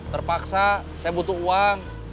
terpaksa saya butuh uang